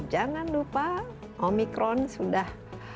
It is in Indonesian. jangan lupa omikron sudah